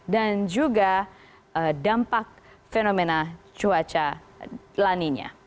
dan juga dampak fenomena cuaca laninya